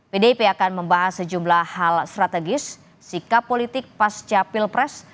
pdip akan membahas sejumlah hal strategis sikap politik pasca pilpres